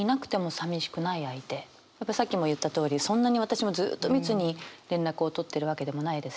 やっぱさっきも言ったとおりそんなに私もずっと密に連絡を取ってるわけでもないですし。